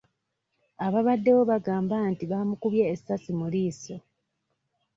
Abaabaddewo bagamba nti baamukubye essasi mu liiso.